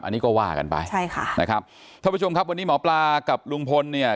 อันนี้ก็ว่ากันไปใช่ค่ะนะครับท่านผู้ชมครับวันนี้หมอปลากับลุงพลเนี่ย